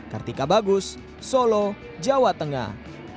kartika bagus solo jawa tengah